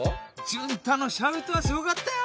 純太のシャウトはすごかったよ